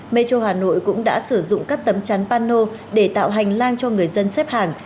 metro hà nội cũng đã sử dụng các tấm chắn pano để tạo hành lang cho người dân xếp hàng